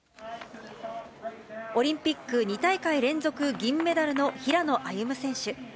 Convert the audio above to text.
オリンピック２大会連続銀メダルの平野歩夢選手。